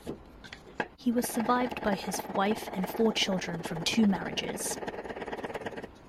He was survived by his wife and four children from two marriages.